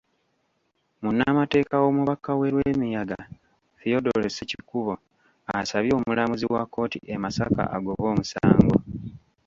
Munnamateeka w'omubaka we Lwemiyaga, Theodore Ssekikubo, asabye omulamuzi wa kkooti e Masaka agobe omusango.